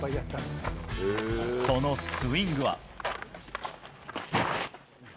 そのスイングは。